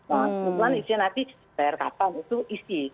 kemudian isinya nanti dibayar kapan itu isi